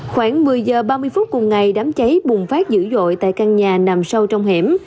khoảng một mươi h ba mươi phút cùng ngày đám cháy bùng phát dữ dội tại căn nhà nằm sâu trong hẻm